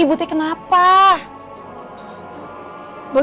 ibu tenang kenapa